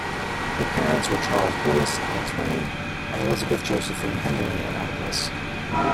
Her parents were Charles Boyce, an attorney, and Elizabeth Josephine Henley, an actress.